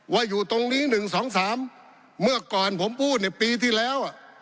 ว่าอยู่ตรงนี้หนึ่งสองสามเมื่อก่อนผมพูดในปีที่แล้ว